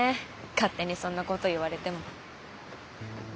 勝手にそんなこと言われても。